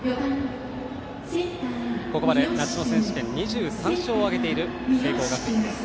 ここまで夏の選手権２３勝を挙げている聖光学院です。